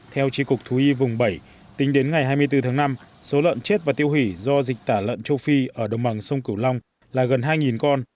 theo tri cục thú y vùng bảy tính đến ngày hai mươi bốn tháng năm số lợn chết và tiêu hủy do dịch tả lợn châu phi ở đồng bằng sông cửu long là gần hai con